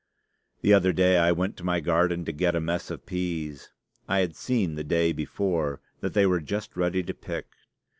The other day I went to my garden to get a mess of peas. I had seen the day before that they were just ready to pick.